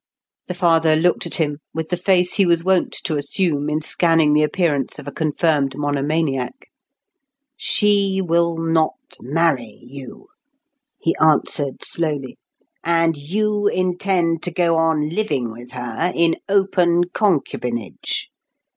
The father looked at him with the face he was wont to assume in scanning the appearance of a confirmed monomaniac. "She will not marry you," he answered slowly; "and you intend to go on living with her in open concubinage!